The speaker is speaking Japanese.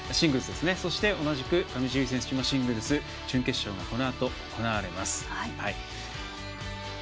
そして上地結衣選手のシングルス準決勝がこのあと行われます。